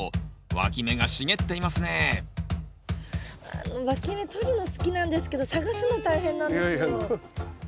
わき芽取るの好きなんですけど探すの大変なんですよ。え？